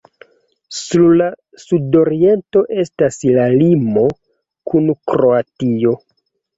Sur la sudoriento estas la limo kun Kroatio.